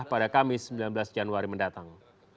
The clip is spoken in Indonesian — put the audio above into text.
pada kamis sembilan belas januari mendatang